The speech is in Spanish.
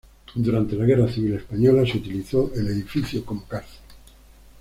Durante la Guerra Civil Española se utilizó el edificio como cárcel.